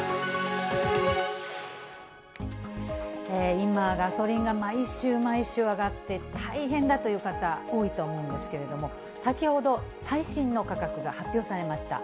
今、ガソリンが毎週毎週上がって、大変だという方、多いと思いますけれども、先ほど、最新の価格が発表されました。